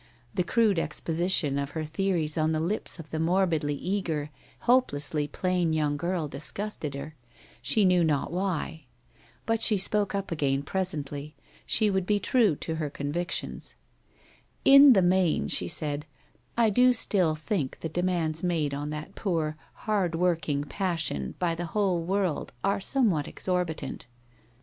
The crude exposition of her theories on the lips of the morbidly eager, hopelessly plain young girl disgusted, her; she knew not why. But she spoke up again presently; she would bo true to her convictions. ' In the main,' she said, ' I do still think the demands made on that poor, hard worked passion by the whole world are somewhat exorbitant.